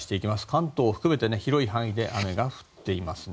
関東を含めて、広い範囲で雨が降っています。